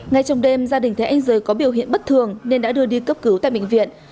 ngay trong đêm gia đình thấy anh rời có biểu hiện bất thường nên đã đưa đi cấp cứu tại bệnh viện